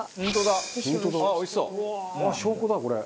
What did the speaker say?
証拠だこれ。